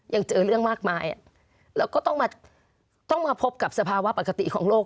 ยังเจอเรื่องมากมายแล้วก็ต้องมาต้องมาพบกับสภาวะปกติของโลก